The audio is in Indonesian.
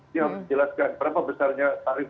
kita jelaskan berapa besarnya tarifnya